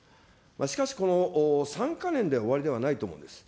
しかしこの３か年で終わりではないと思うんです。